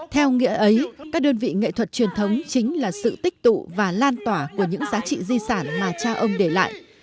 theo nghĩa ấy các đơn vị nghệ thuật truyền thống chính là sự tích tụ và lan tỏa của những giá trị di sản mà cha ông để lại